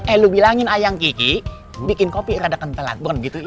eh lu bilangin ayang kiki bikin kopi rada kentelat bon gitu